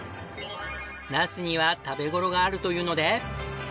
ナスには食べ頃があるというので。